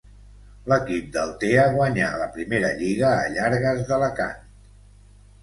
L'equip d'Altea guanyà la primera Lliga a Llargues d'Alacant.